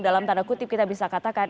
dalam tanda kutip kita bisa katakan